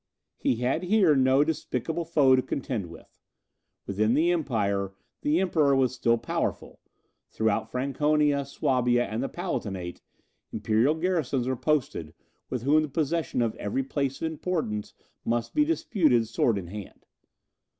He had here no despicable foe to contend with. Within the empire, the Emperor was still powerful; throughout Franconia, Swabia, and the Palatinate, imperial garrisons were posted, with whom the possession of every place of importance must be disputed sword in hand.